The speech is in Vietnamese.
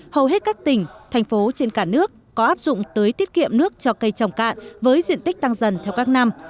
hầu hết các tỉnh thành phố trên cả nước có áp dụng tới tiết kiệm nước cho cây trồng cạn với diện tích tăng dần theo các năm